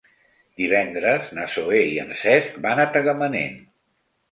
Divendres na Zoè i en Cesc van a Tagamanent.